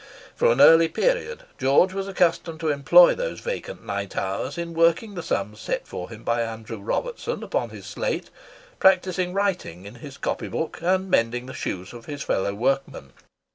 From an early period, George was accustomed to employ those vacant night hours in working the sums set for him by Andrew Robertson upon his slate, practising writing in his copy book, and mending the shoes of his fellow workmen.